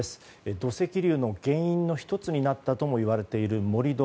土石流の原因の１つになったともいわれている盛り土。